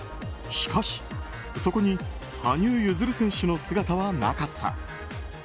しかし、そこに羽生結弦選手の姿はなかった。